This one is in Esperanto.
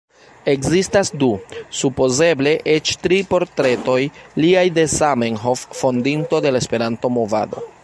Ekzistas du, supozeble eĉ tri portretoj liaj de Zamenhof fondinto de la Esperanto-movado.